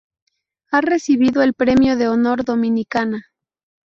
Ha recibido el Premio de Honor Dominica.